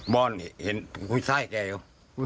บ้านเห็นผู้ชายแก้อยู่